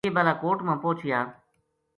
یہ بالاکوٹ ما پوہچیا